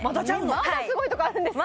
まだすごいとこあるんですか？